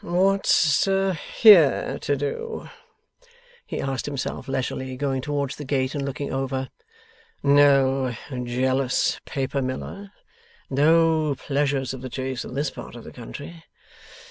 'What's here to do?' he asked himself leisurely going towards the gate and looking over. 'No jealous paper miller? No pleasures of the chase in this part of the country?